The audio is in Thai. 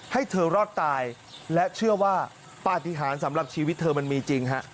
ให้เธอรอดตายและเชื่อว่าปฏิหารสำหรับชีวิตเธอมันมีจริงฮะ